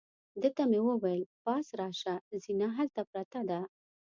ده ته مې وویل: پاس راشه، زینه هلته پرته ده.